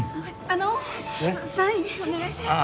あのサインお願いします。